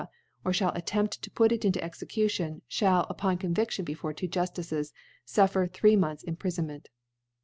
or (hall attempt to put * it in Execution, (hall, upon Cbnviftion * before two Juftices, Mkv three Months * Imprifonment +.